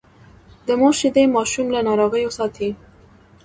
د مور شیدې ماشوم له ناروغیو ساتي۔